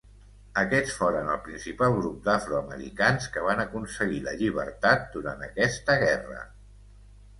Aquests foren el principal grup d'afroamericans que van aconseguir la llibertat durant aquesta guerra.